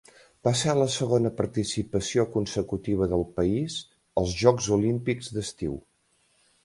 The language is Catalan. Va ser la segona participació consecutiva del país als Jocs Olímpics d'estiu.